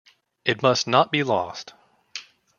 It must not be lost.